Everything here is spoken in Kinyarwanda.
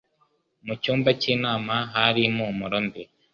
Mu cyumba cy'inama hari impumuro mbi.